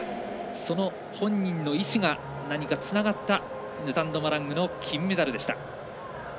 その本人の意思が何かつながったヌタンド・マラングの金メダルでした。